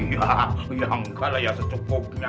ya enggak lah ya secukupnya